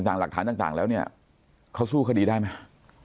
หลักฐานต่างแล้วเนี่ยเขาสู้คดีได้ไหม